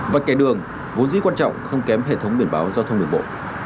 và kẻ đường vốn dĩ quan trọng không kém hệ thống biển báo giao thông đường bộ